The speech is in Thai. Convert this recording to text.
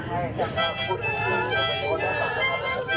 ความบรรยาบริมาท